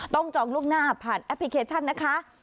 จองล่วงหน้าผ่านแอปพลิเคชันนะคะ